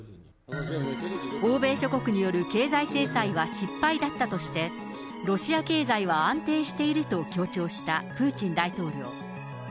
欧米諸国による経済制裁は失敗だったとして、ロシア経済は安定していると強調したプーチン大統領。